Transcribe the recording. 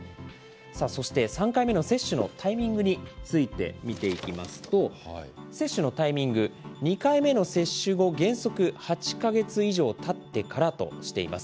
そして３回目の接種のタイミングについて見ていきますと、接種のタイミング、２回目の接種後、原則８か月以上たってからとしています。